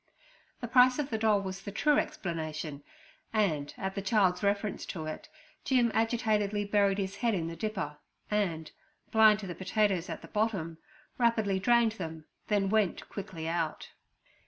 The price of the doll was the true explanation, and at the child's reference to it Jim agitatedly buried his head in the dipper, and, blind to the potatoes at the bottom, rapidly drained them, then went quickly out.